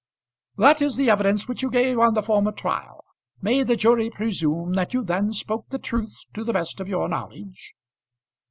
"That is the evidence which you gave on the former trial? May the jury presume that you then spoke the truth to the best of your knowledge?"